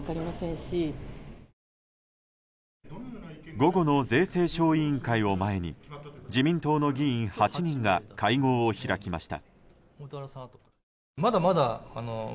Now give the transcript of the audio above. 午後の税制小委員会を前に自民党の議員８人が会合を開きました。